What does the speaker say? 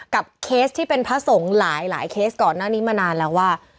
เคสที่เป็นพระสงฆ์หลายเคสก่อนหน้านี้มานานแล้วว่า